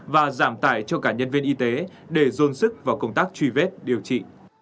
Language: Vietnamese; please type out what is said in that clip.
và giảm tải cho cả nhân viên y tế để dồn sức vào công tác truy vết điều trị